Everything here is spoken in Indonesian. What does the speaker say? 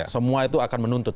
semua itu akan menuntut